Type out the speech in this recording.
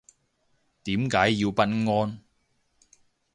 點解要不安